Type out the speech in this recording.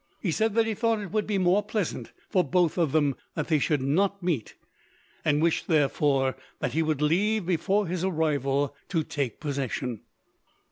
He said that he thought it would be more pleasant, for both of them, that they should not meet, and wished, therefore, that he would leave, before his arrival to take possession.